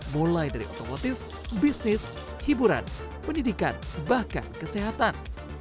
mulai dari otomotif bisnis hiburan pendidikan bahkan kesehatan